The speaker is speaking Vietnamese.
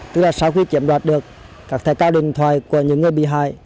tức là sau khi chiếm đoạt được các thẻ cao điện thoại của những người bị hại